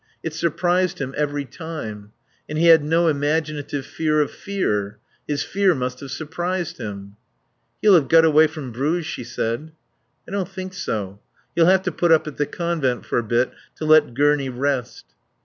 It surprised him every time. And he had no imaginative fear of fear. His fear must have surprised him. "He'll have got away from Bruges," she said. "I don't think so. He'll have to put up at the Convent for a bit, to let Gurney rest."